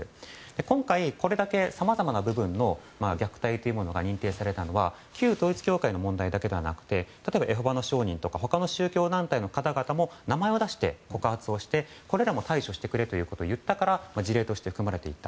今回、これだけさまざまな部分の虐待というものが認定されたのは旧統一教会の問題だけじゃなくエホバの証人とか他の宗教団体の方々も名前を出して告発をして、これらも対処してくれと言ったから事例として含まれていった。